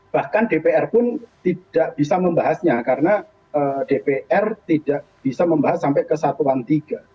bahkan dpr pun tidak bisa membahasnya karena dpr tidak bisa membahas sampai ke satuan tiga